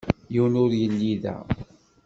Yiwen ur yelli da.